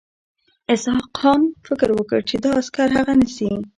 اسحق خان فکر وکړ چې دا عسکر هغه نیسي.